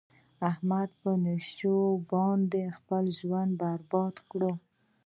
احمد په نشو باندې خپل ژوند برباد کړ.